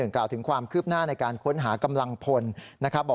กล่าวถึงความคืบหน้าในการค้นหากำลังพลนะครับ